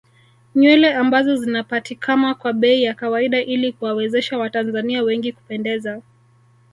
Nywele ambazo zinapatikama kwa bei ya kawaida ili kuwawezesha watanzania wengi kupendeza